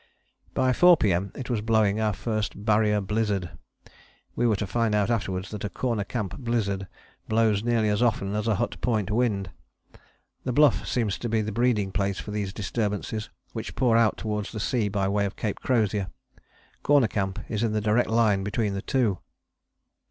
By 4 P.M. it was blowing our first Barrier blizzard. We were to find out afterwards that a Corner Camp blizzard blows nearly as often as a Hut Point wind. The Bluff seems to be the breeding place for these disturbances, which pour out towards the sea by way of Cape Crozier. Corner Camp is in the direct line between the two.